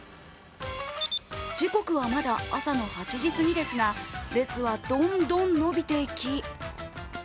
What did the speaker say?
時刻はまだ朝の８時すぎですが列はどんどん伸びていき